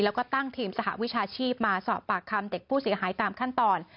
แล้วก็ตั้งทีมสหวิชาชีพมาสอบปากคำเด็กผู้เสียหายตามขั้นตอน